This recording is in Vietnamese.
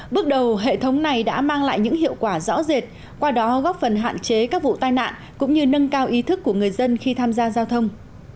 bước đầu hệ thống này đã mang lại những hiệu quả rõ rệt qua đó góp phần hạn chế các vụ tai nạn cũng như nâng cao ý thức của người dân khi tham gia giao thông